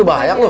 udah banyak loh